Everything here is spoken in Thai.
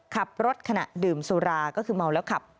ขับรถขณะดื่มสุราก็คือเมาแล้วขับ